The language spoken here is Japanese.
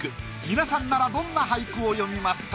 皆さんならどんな俳句を詠みますか？